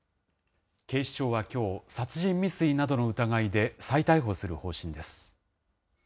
警視庁はきょう、殺人未遂などの疑いで再逮捕する方針です。